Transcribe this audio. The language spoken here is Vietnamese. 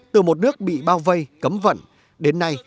từ một nước bị bao vây cấm vận đến nay